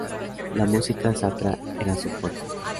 La música sacra era su fuerte.